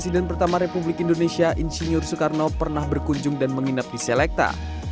di indonesia ingeniur soekarno pernah berkunjung dan menginap di selekta